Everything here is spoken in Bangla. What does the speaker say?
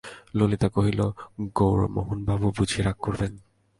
ললিতা কহিল, গৌরমোহনবাবু বুঝি রাগ করবেন?